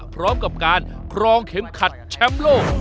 พร้อมกับการครองเข็มขัดแชมป์โลก